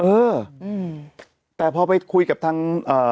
เออแต่พอไปคุยกับทาง